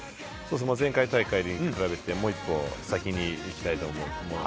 前回大会に比べて、もう一個先に行きたい。